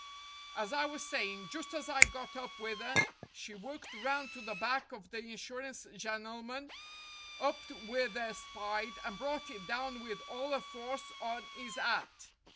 "As I was saying, just as I got up with 'er, she worked round to the back of the insurance gennelman, upped with 'er spide, and brought it down with all 'er force on 'is 'at.